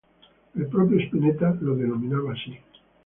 El propio Spinetta lo denominaba así.